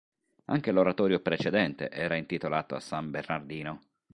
Anche l'oratorio precedente era intitolato a san Bernardino.